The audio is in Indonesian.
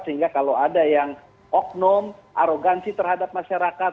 sehingga kalau ada yang oknum arogansi terhadap masyarakat